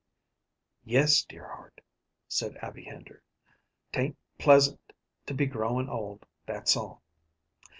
"Yes, dear heart!" said Abby Hender. "'T ain't pleasant to be growin' old, that's all.